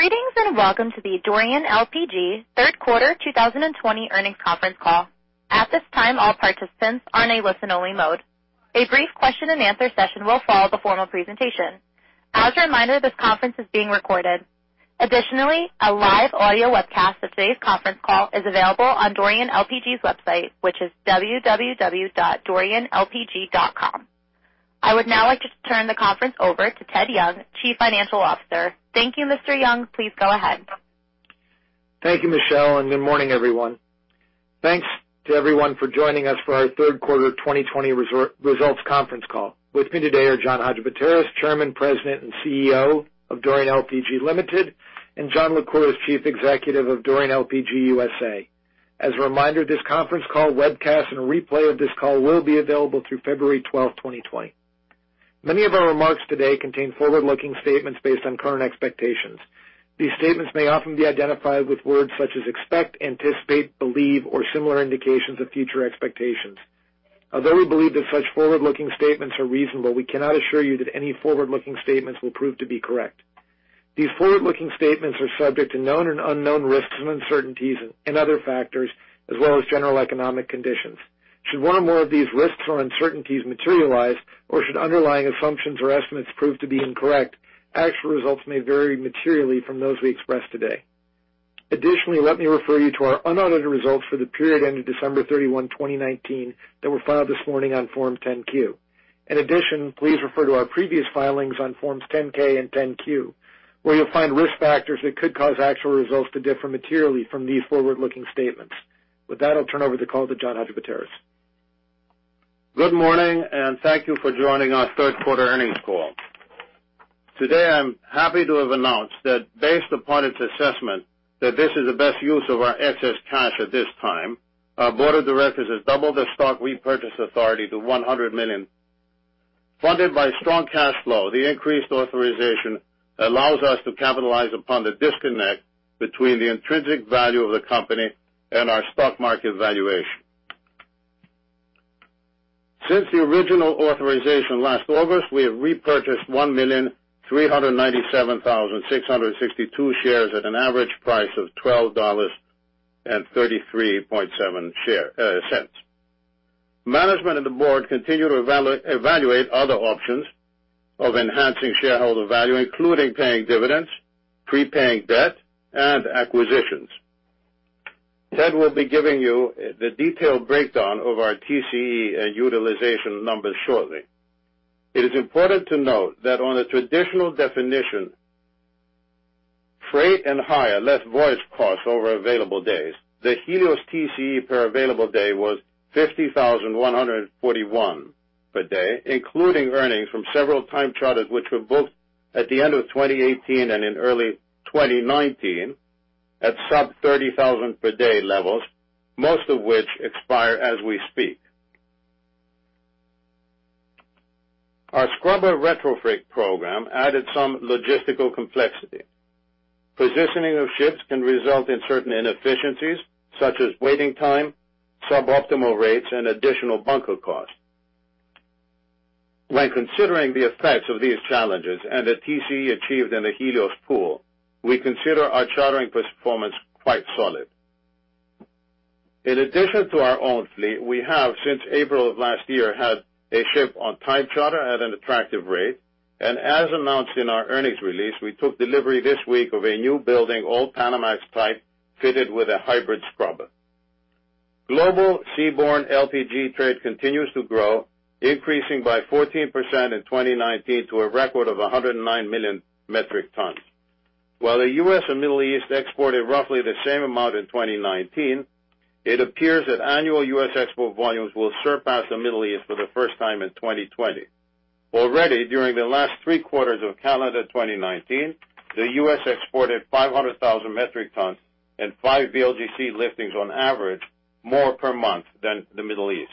Greetings, and welcome to the Dorian LPG third quarter 2020 earnings conference call. At this time, all participants are in a listen-only mode. A brief question and answer session will follow the formal presentation. As a reminder, this conference is being recorded. Additionally, a live audio webcast of today's conference call is available on Dorian LPG's website, which is www.dorianlpg.com. I would now like to turn the conference over to Ted Young, Chief Financial Officer. Thank you, Mr. Young. Please go ahead. Thank you, Michelle. Good morning, everyone. Thanks to everyone for joining us for our third quarter 2020 results conference call. With me today are John Hadjipateras, Chairman, President, and CEO of Dorian LPG Ltd., and John Lycouris, Chief Executive of Dorian LPG USA. As a reminder, this conference call webcast and a replay of this call will be available through February 12, 2020. Many of our remarks today contain forward-looking statements based on current expectations. These statements may often be identified with words such as "expect," "anticipate," "believe," or similar indications of future expectations. Although we believe that such forward-looking statements are reasonable, we cannot assure you that any forward-looking statements will prove to be correct. These forward-looking statements are subject to known and unknown risks and uncertainties and other factors, as well as general economic conditions. Should one or more of these risks or uncertainties materialize, or should underlying assumptions or estimates prove to be incorrect, actual results may vary materially from those we express today. Additionally, let me refer you to our unaudited results for the period ending December 31, 2019, that were filed this morning on Form 10-Q. In addition, please refer to our previous filings on Forms 10-K and 10-Q, where you'll find risk factors that could cause actual results to differ materially from these forward-looking statements. With that, I'll turn over the call to John Hadjipateras. Good morning, and thank you for joining our third quarter earnings call. Today, I'm happy to have announced that based upon its assessment that this is the best use of our excess cash at this time, our board of directors has doubled the stock repurchase authority to $100 million. Funded by strong cash flow, the increased authorization allows us to capitalize upon the disconnect between the intrinsic value of the company and our stock market valuation. Since the original authorization last August, we have repurchased 1,397,662 shares at an average price of $12.337. Management and the board continue to evaluate other options of enhancing shareholder value including paying dividends, prepaying debt, and acquisitions. Ted will be giving you the detailed breakdown of our TCE and utilization numbers shortly. It is important to note that on a traditional definition, freight and hire less voyage costs over available days, the Helios TCE per available day was $50,141 per day including earnings from several time charters which were booked at the end of 2018 and in early 2019 at sub $30,000 per day levels, most of which expire as we speak. Our scrubber retrofit program added some logistical complexity. Positioning of ships can result in certain inefficiencies, such as waiting time, suboptimal rates, and additional bunker costs. When considering the effects of these challenges and the TCE achieved in the Helios pool, we consider our chartering performance quite solid. In addition to our own fleet, we have, since April of last year, had a ship on time charter at an attractive rate. As announced in our earnings release, we took delivery this week of a new building, all Panamax type, fitted with a hybrid scrubber. Global seaborne LPG trade continues to grow, increasing by 14% in 2019 to a record of 109 million metric tons. While the U.S. and Middle East exported roughly the same amount in 2019, it appears that annual U.S. export volumes will surpass the Middle East for the first time in 2020. Already, during the last three quarters of calendar 2019, the U.S. exported 500,000 metric tons and five VLGC liftings on average more per month than the Middle East.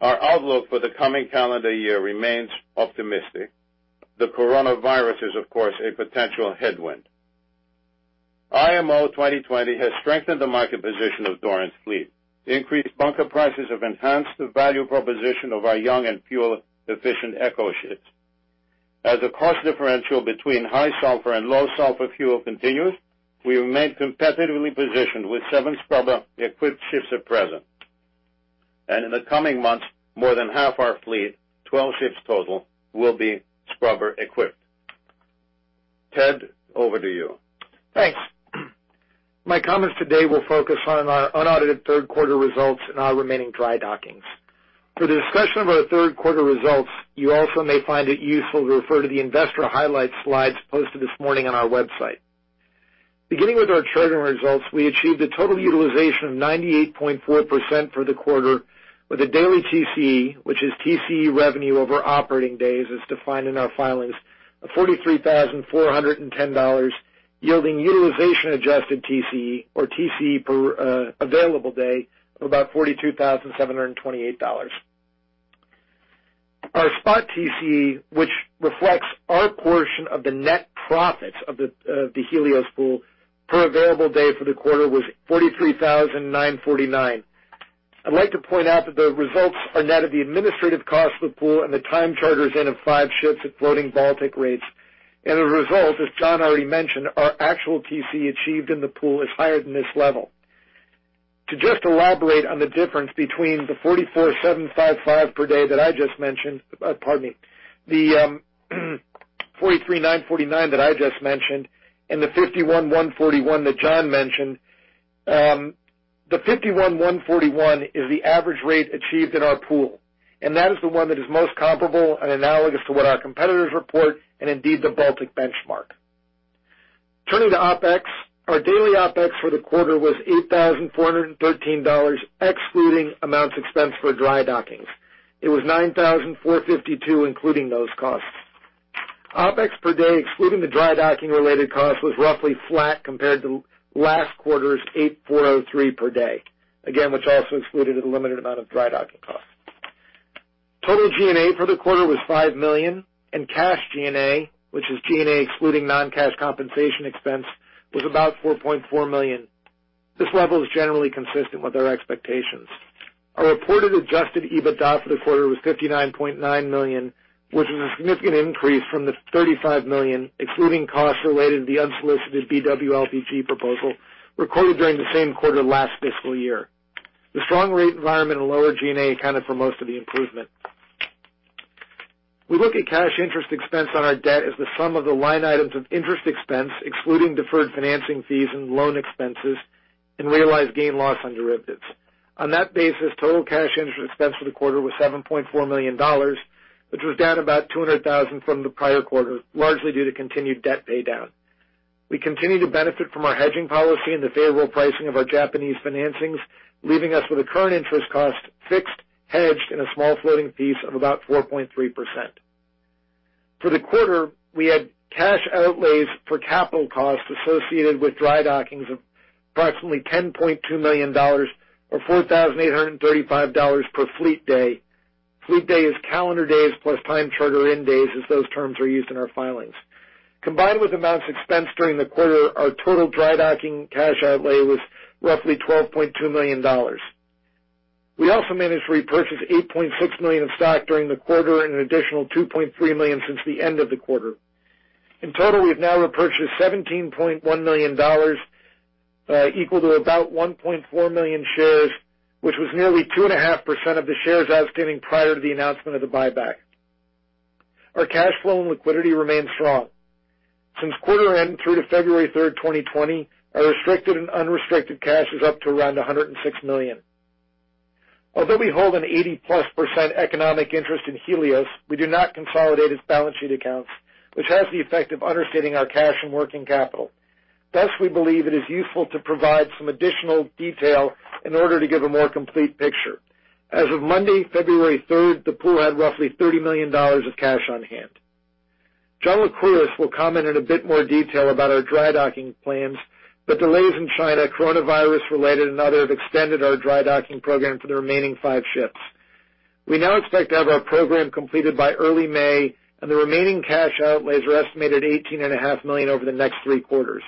Our outlook for the coming calendar year remains optimistic. The coronavirus is, of course, a potential headwind. IMO 2020 has strengthened the market position of Dorian's fleet. The increased bunker prices have enhanced the value proposition of our young and fuel-efficient Eco ships. As the cost differential between high sulfur and low sulfur fuel continues, we remain competitively positioned with seven scrubber-equipped ships at present. In the coming months, more than half our fleet, 12 ships total will be scrubber-equipped. Ted, over to you. Thanks. My comments today will focus on our unaudited third quarter results and our remaining dry dockings. For the discussion of our third quarter results, you also may find it useful to refer to the investor highlights slides posted this morning on our website. Beginning with our charter results, we achieved a total utilization of 98.4% for the quarter with a daily TCE which is TCE revenue over operating days as defined in our filings, of $43,410, yielding utilization-adjusted TCE or TCE per available day of about $42,728. Our spot TCE, which reflects our portion of the net profits of the Helios pool per available day for the quarter was $43,949. I'd like to point out that the results are net of the administrative cost of the pool and the time charters in of five ships at floating Baltic rates. A result, as John already mentioned, our actual TC achieved in the pool is higher than this level. To just elaborate on the difference between the $43,949 that I just mentioned and the $51,141 that John mentioned. The $51,141 is the average rate achieved in our pool, and that is the one that is most comparable and analogous to what our competitors report, and indeed, the Baltic benchmark. Turning to OpEx, our daily OpEx for the quarter was $8,413, excluding amounts expensed for dry dockings. It was $9,452 including those costs. OpEx per day, excluding the dry docking-related cost, was roughly flat compared to last quarter's $8,403 per day. Which also excluded a limited amount of dry docking costs. Total G&A for the quarter was $5 million and cash G&A, which is G&A excluding non-cash compensation expense was about $4.4 million. This level is generally consistent with our expectations. Our reported adjusted EBITDA for the quarter was $59.9 million which is a significant increase from the $35 million excluding costs related to the unsolicited BW LPG proposal recorded during the same quarter last fiscal year. The strong rate environment and lower G&A accounted for most of the improvement. We look at cash interest expense on our debt as the sum of the line items of interest expense, excluding deferred financing fees and loan expenses and realized gain loss on derivatives. On that basis, total cash interest expense for the quarter was $7.4 million which was down about $200,000 from the prior quarter, largely due to continued debt paydown. We continue to benefit from our hedging policy and the favorable pricing of our Japanese financings, leaving us with a current interest cost fixed, hedged in a small floating piece of about 4.3%. For the quarter, we had cash outlays for capital costs associated with dry dockings of approximately $10.2 million or $4,835 per fleet day. Fleet day is calendar days plus time charter in days as those terms are used in our filings. Combined with amounts expensed during the quarter, our total dry docking cash outlay was roughly $12.2 million. We also managed to repurchase $8.6 million of stock during the quarter and an additional $2.3 million since the end of the quarter. In total, we have now repurchased $17.1 million, equal to about 1.4 million shares, which was nearly 2.5% of the shares outstanding prior to the announcement of the buyback. Our cash flow and liquidity remain strong. Since quarter end through to February 3rd, 2020, our restricted and unrestricted cash is up to around $106 million. Although we hold an 80+% economic interest in Helios, we do not consolidate its balance sheet accounts which has the effect of understating our cash and working capital. Thus, we believe it is useful to provide some additional detail in order to give a more complete picture. As of Monday, February 3rd, the pool had roughly $30 million of cash on hand. John Lycouris will comment in a bit more detail about our dry docking plans but delays in China, coronavirus-related and other have extended our dry docking program to the remaining five ships. We now expect to have our program completed by early May. The remaining cash outlays are estimated $18.5 million over the next three quarters.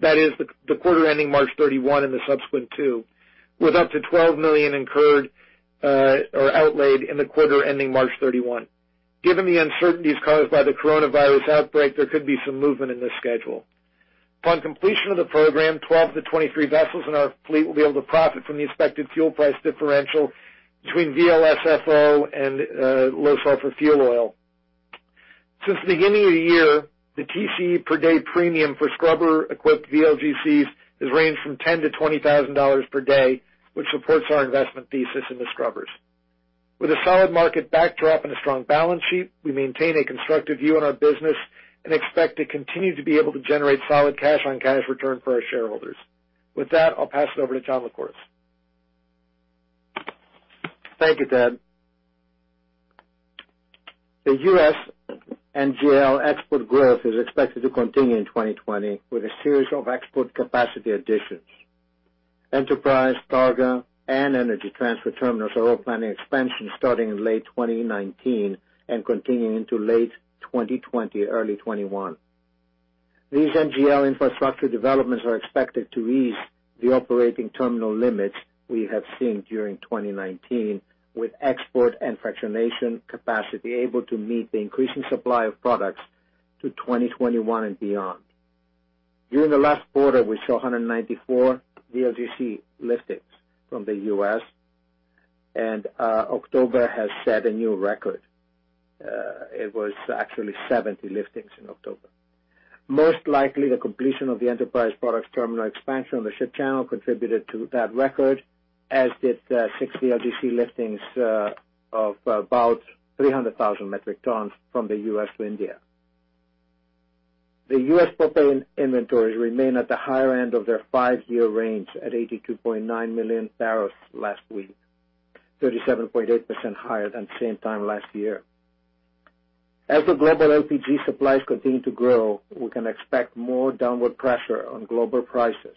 That is the quarter ending March 31 and the subsequent two with up to $12 million incurred or outlaid in the quarter ending March 31. Given the uncertainties caused by the coronavirus outbreak, there could be some movement in this schedule. Upon completion of the program, 12 vessels-23 vessels in our fleet will be able to profit from the expected fuel price differential between VLSFO and low sulfur fuel oil. Since the beginning of the year, the TC per day premium for scrubber-equipped VLGCs has ranged from $10,000-$20,000 per day which supports our investment thesis in the scrubbers. With a solid market backdrop and a strong balance sheet, we maintain a constructive view on our business and expect to continue to be able to generate solid cash on cash return for our shareholders. With that, I'll pass it over to John Lycouris. Thank you, Ted. The U.S. NGL export growth is expected to continue in 2020 with a series of export capacity additions. Enterprise, Targa, and Energy Transfer terminals are all planning expansion starting in late 2019 and continuing into late 2020, early 2021. These NGL infrastructure developments are expected to ease the operating terminal limits we have seen during 2019 with export and fractionation capacity able to meet the increasing supply of products to 2021 and beyond. During the last quarter, we saw 194 VLGC liftings from the U.S. and October has set a new record. It was actually 70 liftings in October. Most likely, the completion of the Enterprise Products terminal expansion on the ship channel contributed to that record as did six VLGC liftings of about 300,000 metric tons from the U.S. to India. The U.S. propane inventories remain at the higher end of their five-year range at 82.9 million barrels last week, 37.8% higher than the same time last year. As the global LPG supplies continue to grow, we can expect more downward pressure on global prices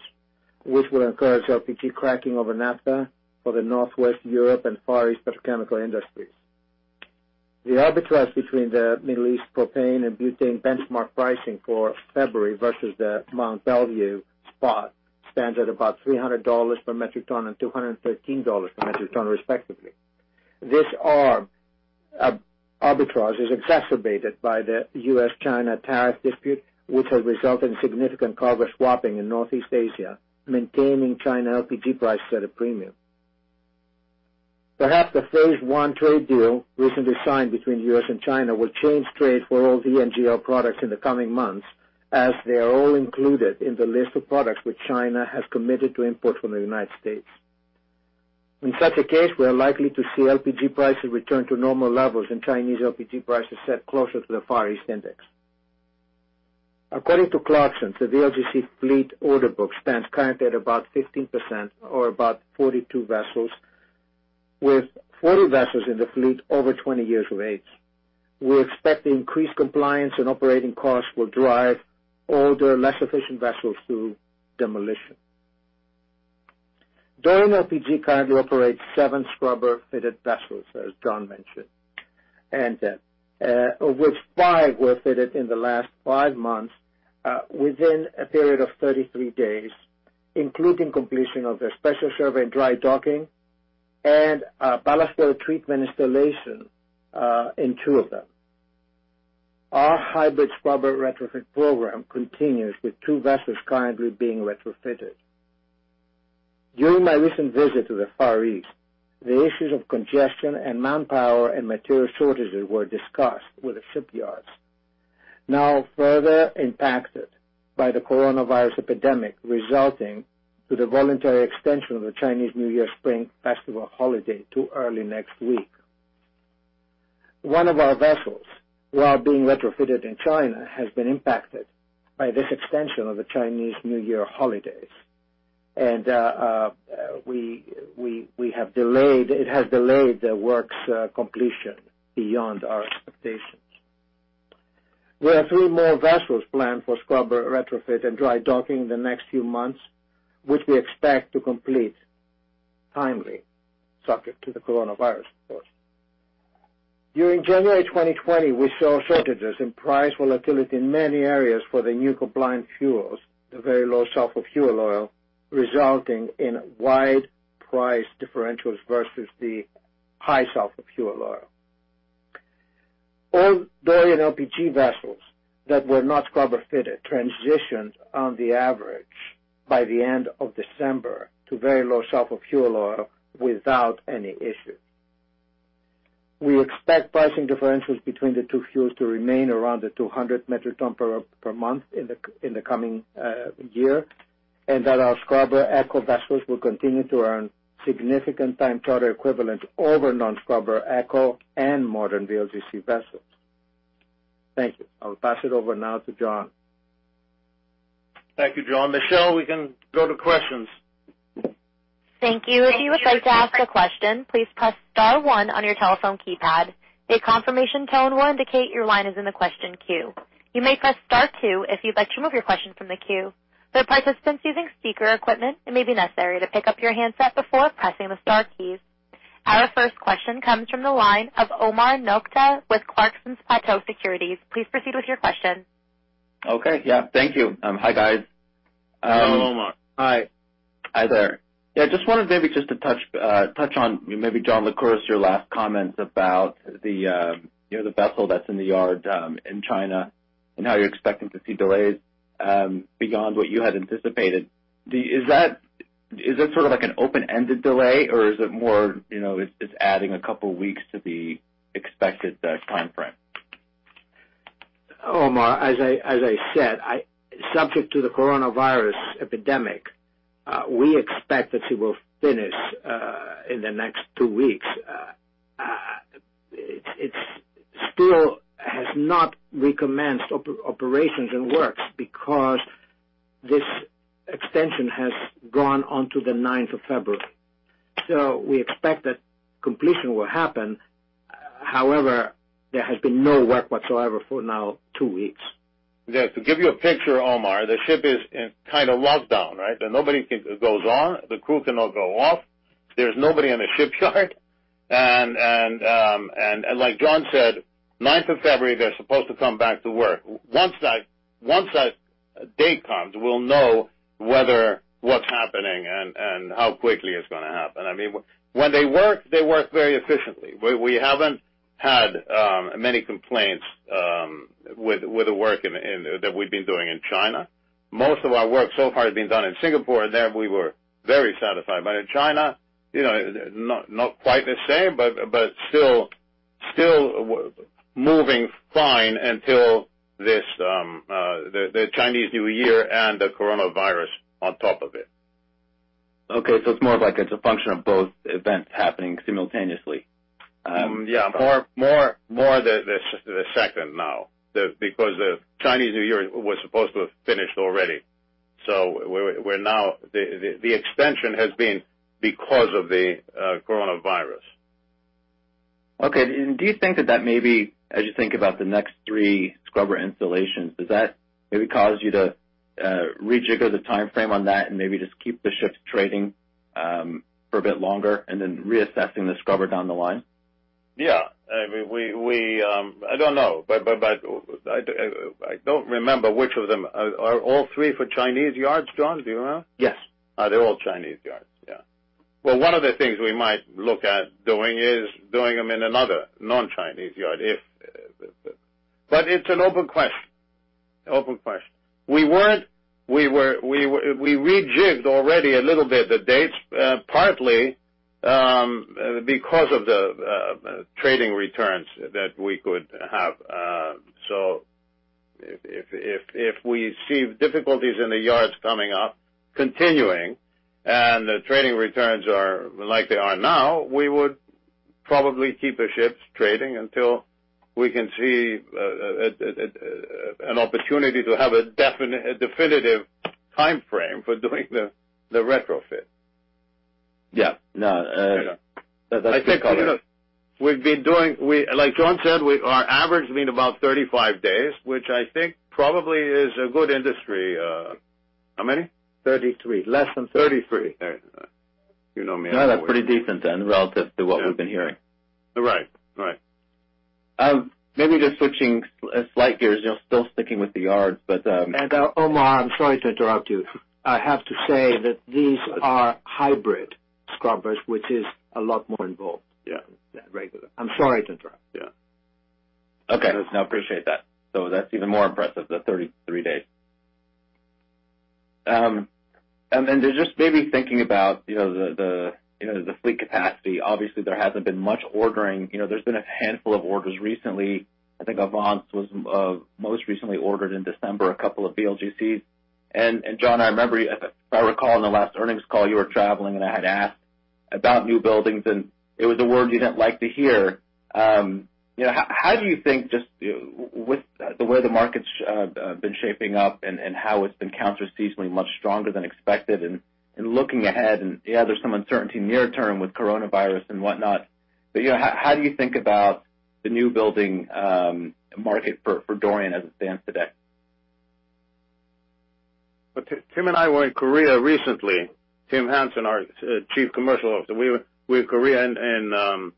which will encourage LPG cracking over naphtha for the Northwest Europe and Far East petrochemical industries. The arbitrage between the Middle East propane and butane benchmark pricing for February versus the Mont Belvieu spot stands at about $300 per metric ton and $213 per metric ton respectively. This arbitrage is exacerbated by the U.S.-China tariff dispute which has resulted in significant cargo swapping in Northeast Asia, maintaining China LPG prices at a premium. Perhaps the phase one trade deal recently signed between the U.S. and China will change trade for all the NGL products in the coming months, as they are all included in the list of products which China has committed to import from the United States. In such a case, we are likely to see LPG prices return to normal levels and Chinese LPG prices set closer to the Far East index. According to Clarksons, the VLGC fleet order book stands currently at about 15% or about 42 vessels. With 40 vessels in the fleet over 20 years of age, we expect the increased compliance and operating costs will drive older, less efficient vessels to demolition. Dorian LPG currently operates seven scrubber-fitted vessels, as John mentioned, of which five were fitted in the last five months within a period of 33 days including completion of their special survey and dry docking and a ballast water treatment installation in two of them. Our hybrid scrubber retrofit program continues with two vessels currently being retrofitted. During my recent visit to the Far East, the issues of congestion and manpower and material shortages were discussed with the shipyards, now further impacted by the coronavirus epidemic resulting to the voluntary extension of the Chinese New Year Spring Festival holiday to early next week. One of our vessels, while being retrofitted in China, has been impacted by this extension of the Chinese New Year holidays and it has delayed the work's completion beyond our expectations. We have three more vessels planned for scrubber retrofit and dry docking in the next few months which we expect to complete timely, subject to the coronavirus, of course. During January 2020, we saw shortages and price volatility in many areas for the new compliant fuels, the very low sulfur fuel oil, resulting in wide price differentials versus the high sulfur fuel oil. All Dorian LPG vessels that were not scrubber fitted transitioned on the average by the end of December to very low sulfur fuel oil without any issue. We expect pricing differentials between the two fuels to remain around the $200 metric ton per month in the coming year and that our scrubber ECO vessels will continue to earn significant time charter equivalent over non-scrubber ECO and modern VLGC vessels. Thank you. I'll pass it over now to John. Thank you, John. Michelle, we can go to questions. Thank you. If you would like to ask a question, please press star one on your telephone keypad. A confirmation tone will indicate your line is in the question queue. You may press star two if you'd like to remove your question from the queue. For participants using speaker equipment, it may be necessary to pick up your handset before pressing the star keys. Our first question comes from the line of Omar Nokta with Clarksons Platou Securities. Please proceed with your question. Okay. Yeah, thank you. Hi, guys. Hello, Omar. Hi. Hi, there. Yeah, just wanted maybe just to touch on maybe, John Lycouris, your last comments about the vessel that's in the yard in China and how you're expecting to see delays beyond what you had anticipated. Is that sort of like an open-ended delay or is it more, it's adding a couple weeks to the expected timeframe? Omar, as I said, subject to the coronavirus epidemic, we expect that she will finish in the next two weeks. It still has not recommenced operations and works because this extension has gone on to the ninth of February. We expect that completion will happen. However, there has been no work whatsoever for now two weeks. Yeah. To give you a picture, Omar, the ship is in kind of lockdown, right? Nobody goes on, the crew cannot go off. There's nobody in the shipyard. Like John said, ninth of February, they're supposed to come back to work. Once that date comes, we'll know what's happening and how quickly it's going to happen. When they work, they work very efficiently. We haven't had many complaints with the work that we've been doing in China. Most of our work so far has been done in Singapore, and there we were very satisfied. In China, not quite the same but still moving fine until the Chinese New Year and the coronavirus on top of it. Okay, it's more of like it's a function of both events happening simultaneously. Yeah. More the second now because the Chinese New Year was supposed to have finished already. The extension has been because of the coronavirus. Okay. Do you think that that may be, as you think about the next three scrubber installations, does that maybe cause you to rejigger the timeframe on that and maybe just keep the ships trading for a bit longer and then reassessing the scrubber down the line? Yeah. I don't know. I don't remember which of them. Are all three for Chinese yards, John? Do you know? Yes. They're all Chinese yards. Well, one of the things we might look at doing is doing them in another non-Chinese yard. It's an open question. We rejigged already a little bit the dates, partly because of the trading returns that we could have. If we see difficulties in the yards coming up continuing and the trading returns are like they are now, we would probably keep the ships trading until we can see an opportunity to have a definitive timeframe for doing the retrofit. Yeah. No. I think we've been doing, like John said, our average has been about 35 days which I think probably is a good industry. How many? 33. Less than 30. 33. You know me. No, that's pretty decent then, relative to what we've been hearing. Right. Maybe just switching a slight gears, still sticking with the yards. Omar, I'm sorry to interrupt you. I have to say that these are hybrid scrubbers, which is a lot more involved. Yeah. Than regular. I'm sorry to interrupt. Yeah. Okay. No, appreciate that. That's even more impressive, the 33 days. Just maybe thinking about the fleet capacity. Obviously, there hasn't been much ordering. There's been a handful of orders recently. I think Avance was most recently ordered in December, a couple of VLGCs. John, I remember, if I recall on the last earnings call, you were traveling, and I had asked about new buildings and it was a word you didn't like to hear. How do you think, just with the way the market's been shaping up and how it's been counter-seasonally much stronger than expected and looking ahead, and yeah, there's some uncertainty near term with coronavirus and whatnot but how do you think about the new building market for Dorian as it stands today? Tim and I were in Korea recently. Tim Hansen, our Chief Commercial Officer. We were in Korea in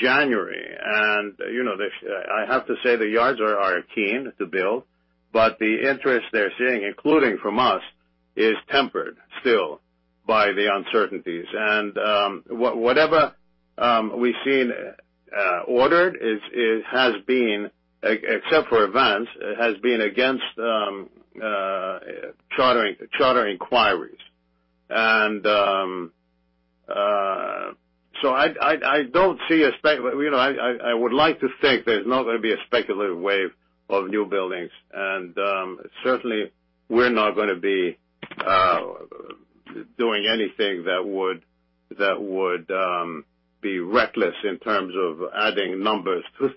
January and I have to say, the yards are keen to build. The interest they're seeing, including from us, is tempered still by the uncertainties. Whatever we've seen ordered except for Avance has been against charter inquiries. I would like to think there's not going to be a speculative wave of new buildings and certainly, we're not going to be doing anything that would be reckless in terms of adding numbers to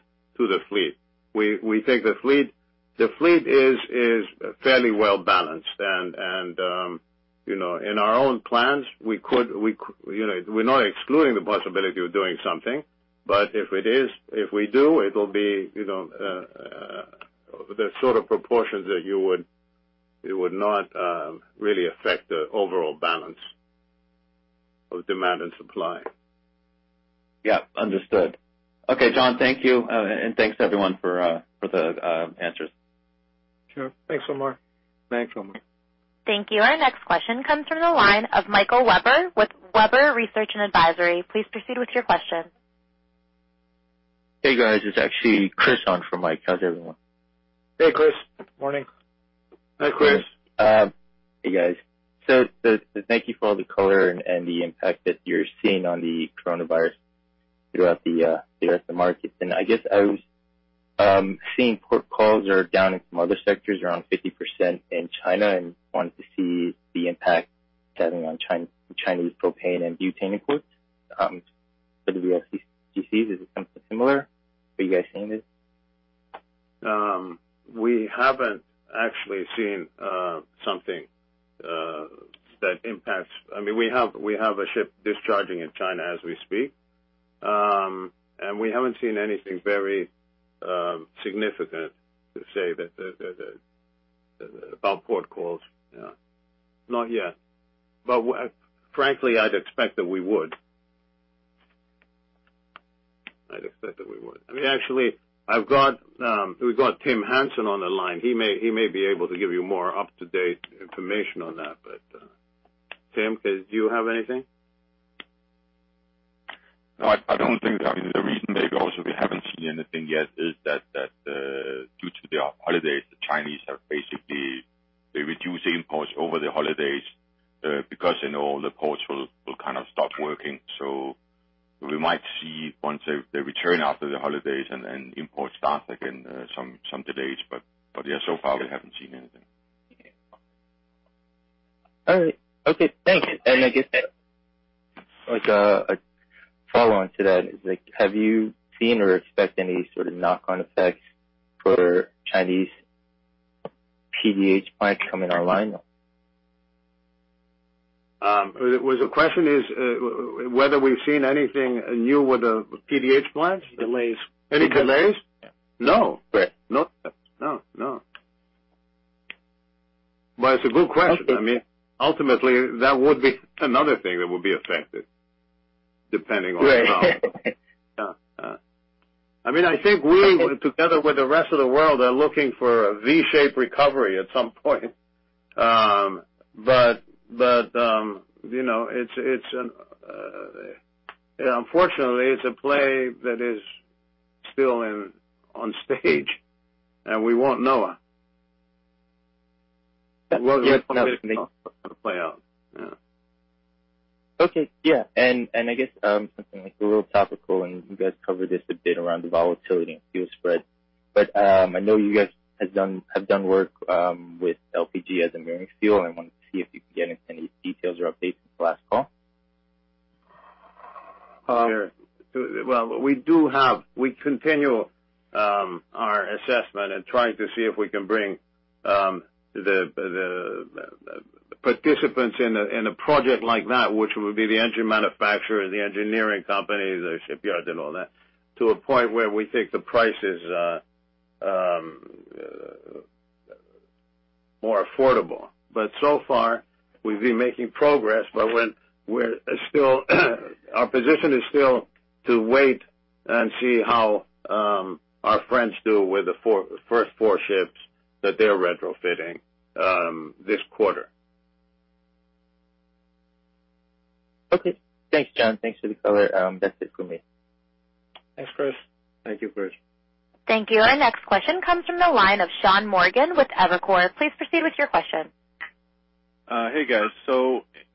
the fleet. We think the fleet is fairly well-balanced and in our own plans we're not excluding the possibility of doing something. If we do, it'll be the sort of proportions that would not really affect the overall balance of demand and supply. Yeah. Understood. Okay, John. Thank you, and thanks everyone for the answers. Sure. Thanks, Omar. Thanks, Omar. Thank you. Our next question comes from the line of Michael Webber with Webber Research & Advisory. Please proceed with your question. Hey, guys. It's actually Chris on for Mike. How's everyone? Hey, Chris. Morning. Hi, Chris. Hey, guys. Thank you for all the color and the impact that you're seeing on the coronavirus throughout the rest of the market. I guess I was seeing port calls are down in some other sectors, around 50% in China, and wanted to see the impact it's having on Chinese propane and butane imports for the VLGCs? Is it something similar? Are you guys seeing it? We have a ship discharging in China as we speak and we haven't seen anything very significant to say about port calls. Not yet. Frankly, I'd expect that we would. Actually, we've got Tim Hansen on the line. He may be able to give you more up-to-date information on that. Tim, do you have anything? No, I don't think. The reason maybe also we haven't seen anything yet is that due to the holidays, the Chinese have basically reduced imports over the holidays because they know all the ports will kind of stop working. We might see once they return after the holidays and imports start again some delays. Yeah, so far, we haven't seen anything. All right. Okay, thanks. I guess a follow-on to that is have you seen or expect any sort of knock-on effects for Chinese PDH plants coming online now? The question is whether we've seen anything new with the PDH plants? Delays. Any delays? Yeah. No. Great. No. It's a good question. Ultimately, that would be another thing that would be affected. Right. I think we, together with the rest of the world, are looking for a V-shaped recovery at some point. Unfortunately, it's a play that is still on stage, and we won't know it. We'll just have to play out. Okay. Yeah. I guess something a little topical, and you guys covered this a bit around the volatility and fuel spread. I know you guys have done work with LPG as a marine fuel, and I wanted to see if you could give any details or updates since the last call. Sure. Well, we continue our assessment and trying to see if we can bring the participants in a project like that, which would be the engine manufacturer, the engineering companies, the shipyards, and all that, to a point where we think the price is more affordable. So far, we've been making progress. Our position is still to wait and see how our friends do with the first four ships that they're retrofitting this quarter. Okay. Thanks, John. Thanks for the color. That's it for me. Thanks, Chris. Thank you, Chris. Thank you. Our next question comes from the line of Sean Morgan with Evercore. Please proceed with your question. Hey, guys.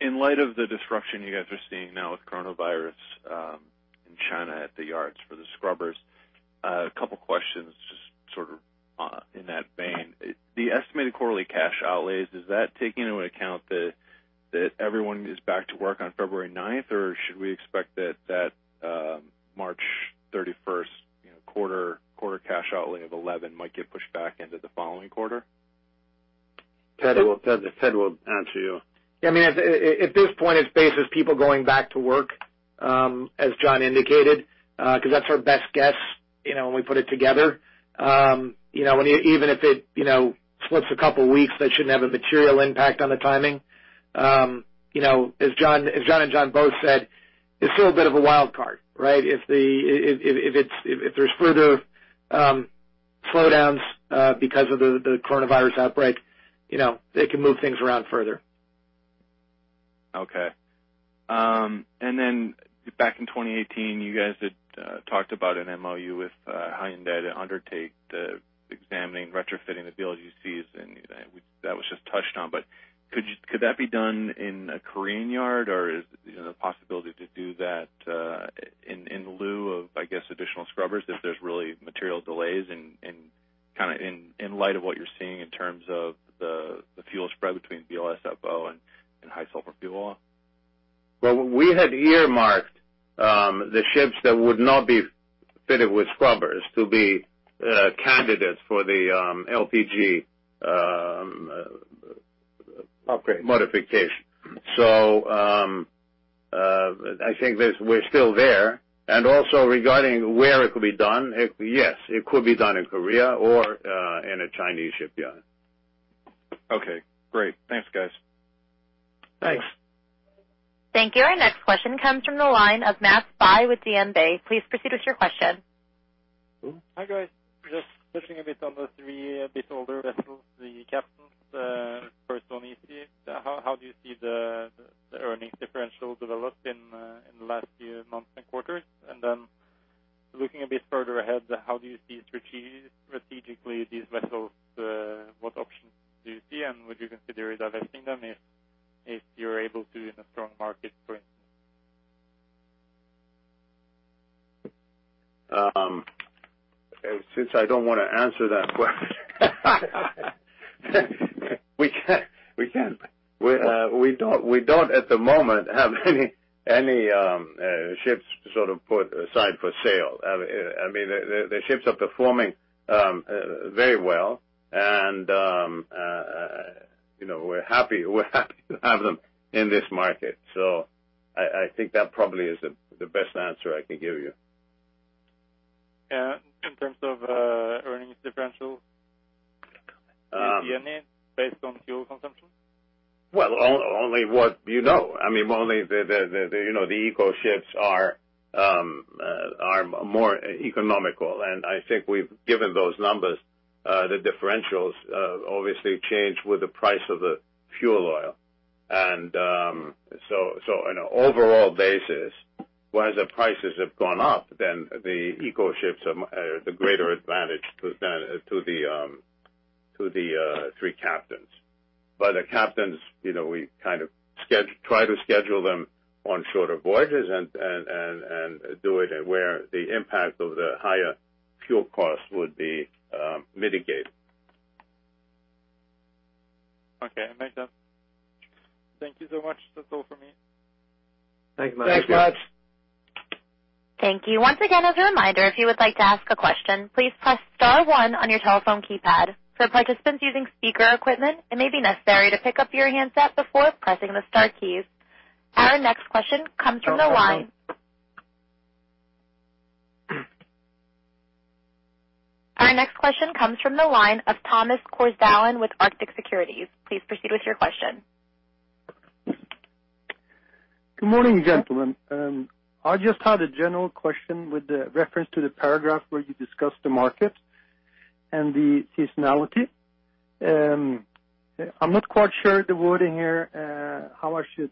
In light of the disruption you guys are seeing now with coronavirus in China at the yards for the scrubbers, a couple questions just in that vein. The estimated quarterly cash outlays, is that taking into account that everyone is back to work on February 9th, or should we expect that March 31st quarter cash outlay of $11 might get pushed back into the following quarter? Ted will answer you. At this point, it's based on people going back to work, as John indicated, because that's our best guess when we put it together. Even if it slips a couple of weeks, that shouldn't have a material impact on the timing. As John and John both said, it's still a bit of a wild card, right? If there's further slowdowns because of the coronavirus outbreak they can move things around further. Okay. Back in 2018, you guys had talked about an MOU with Hyundai to undertake examining retrofitting the VLGCs. That was just touched on. Could that be done in a Korean yard, or is there a possibility to do that in lieu of additional scrubbers if there's really material delays and in light of what you're seeing in terms of the fuel spread between VLSFO and high sulfur fuel oil? Well, we had earmarked the ships that would not be fitted with scrubbers to be candidates for the LPG. Upgrade modification. I think that we're still there. Also regarding where it could be done, yes, it could be done in Korea or in a Chinese shipyard. Okay, great. Thanks, guys. Thanks. Thank you. Our next question comes from the line of [Matt Spy] with DNB. Please proceed with your question. Hi, guys. Just touching a bit on the three a bit older vessels, the Captain, first one is, how do you see the earnings differential developed in the last few months and quarters? Looking a bit further ahead, how do you see strategically these vessels, what options do you see, and would you consider divesting them if you're able to in a strong market, for instance? Since I don't want to answer that question we don't at the moment have any ships put aside for sale. The ships are performing very well, and we're happy to have them in this market. I think that probably is the best answer I can give you. Yeah. In terms of earnings differential, do you see any based on fuel consumption? Well, only what you know. Only the Eco ships are more economical, and I think we've given those numbers. The differentials obviously change with the price of the fuel oil. On an overall basis, whereas the prices have gone up then the Eco ships, the greater advantage to the three captains. The Captain, we try to schedule them on shorter voyages and do it where the impact of the higher fuel cost would be mitigated. Okay, makes sense. Thank you so much. That's all for me. Thanks, Matt. Thanks, Matt. Thank you. Once again, as a reminder, if you would like to ask a question, please press star one on your telephone keypad. For participants using speaker equipment, it may be necessary to pick up your handset before pressing the star keys. Our next question comes from the line. Star one. Our next question comes from the line of Thomas Korsdalen with Arctic Securities. Please proceed with your question. Good morning, gentlemen. I just had a general question with the reference to the paragraph where you discussed the market and the seasonality. I'm not quite sure the wording here, how I should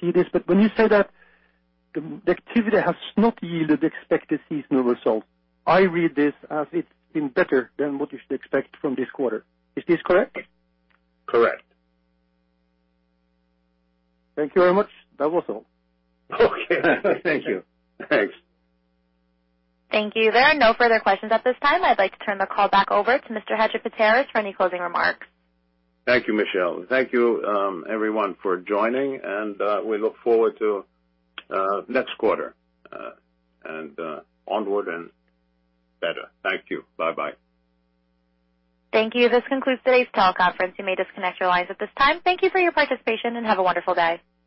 see this when you say that the activity has not yielded expected seasonal results, I read this as it's been better than what you should expect from this quarter. Is this correct? Correct. Thank you very much. That was all. Okay. Thank you. Thanks. Thank you. There are no further questions at this time. I'd like to turn the call back over to Mr. Hadjipateras for any closing remarks. Thank you, Michelle. Thank you everyone for joining. We look forward to next quarter, onward and better. Thank you. Bye-bye. Thank you. This concludes today's teleconference. You may disconnect your lines at this time. Thank you for your participation, and have a wonderful day.